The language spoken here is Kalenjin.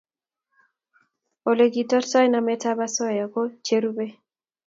Ole kitortoi nametab osoya ko cherubei: